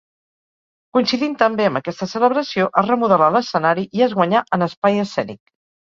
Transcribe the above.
Coincidint també amb aquesta celebració es remodelà l’escenari i es guanyà en espai escènic.